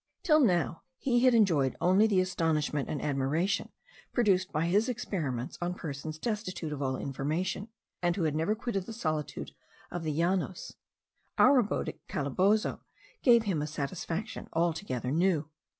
Till now he had enjoyed only the astonishment and admiration produced by his experiments on persons destitute of all information, and who had never quitted the solitude of the Llanos; our abode at Calabozo gave him a satisfaction altogether new.